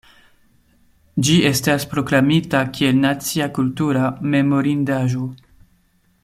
Ĝi estas proklamita kiel Nacia kultura memorindaĵo.